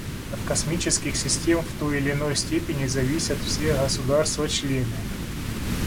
От космических систем в той или иной степени зависят все государства-члены.